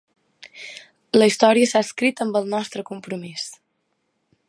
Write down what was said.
La història s’ha escrit amb el nostre compromís.